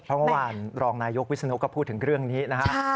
เพราะเมื่อวานรองนายกวิศนุก็พูดถึงเรื่องนี้นะฮะ